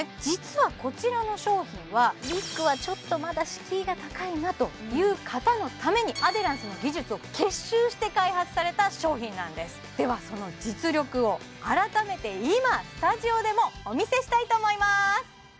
実はこちらの商品はウィッグはちょっとまだ敷居が高いなという方のためにアデランスの技術を結集して開発された商品なんですではその実力を改めて今スタジオでもお見せしたいと思います